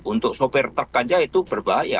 untuk sopir truk saja itu berbahaya